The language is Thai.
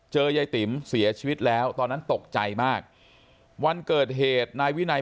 ยายติ๋มเสียชีวิตแล้วตอนนั้นตกใจมากวันเกิดเหตุนายวินัย